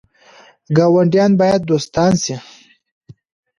ګاونډیان باید دوستان شي